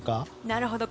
なるほど。